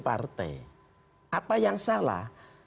partai apa yang salah